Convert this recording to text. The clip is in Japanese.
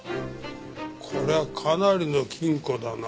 こりゃかなりの金庫だな。